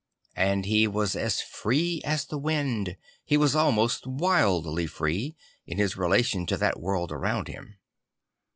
And he was as free as the wind, he was almost wildly free, in his relation to that world around him.